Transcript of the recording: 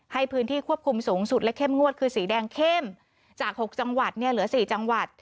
ให้พื้นที่ควบคุมสูงสุดและเข้มงวดคือสีแดงเข้มจาก๖จังหวัดเนี่ยเหลือ๔จังหวัด